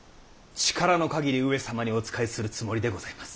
力の限り上様にお仕えするつもりでございます。